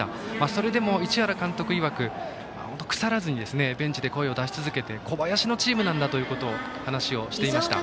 それでも市原監督いわく腐らずにベンチで声を出し続けて小林のチームなんだという話をしていました。